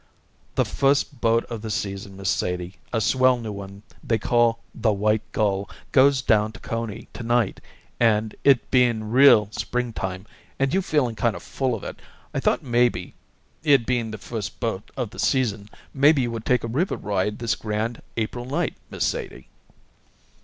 "The first boat of the season, Miss Sadie, a swell new one they call the White Gull, goes down to Coney to night, and, it being real springtime, and you feeling kind of full of it, I thought maybe, it being the first boat of the season, maybe you would take a river ride this grand April night, Miss Sadie."